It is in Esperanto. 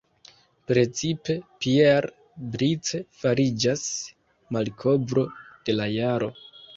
Precipe Pierre Brice fariĝas malkovro de la jaro.